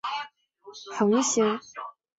而这些恒星周围可能有大量暗物质存在。